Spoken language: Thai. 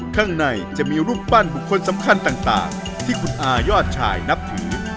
ข้างในจะมีรูปปั้นบุคคลสำคัญต่างที่คุณอายอดชายนับถือ